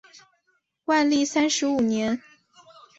万历三十五年。